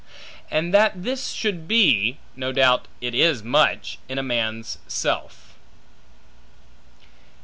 And that this should be, no doubt it is much, in a man's self.